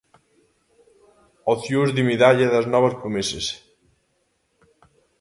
Opcións de medalla das novas promesas.